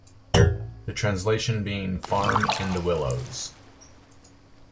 The translation being "Farm in the willows".